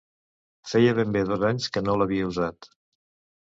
Feia ben bé dos anys que no l'havia usat.